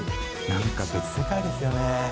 何か別世界ですよね